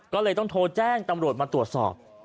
ก็เลยต้องโทรแจ้งตำรวจมาตรวจสอบ